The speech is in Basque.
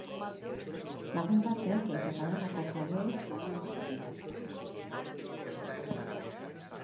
Lagun batek eta tabernako jabeek lagundu zuten.